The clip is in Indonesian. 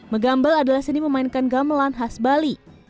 megambal adalah seni memainkan gamelan khas bali